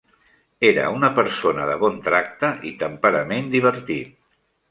Era una persona de bon tracte i temperament divertit.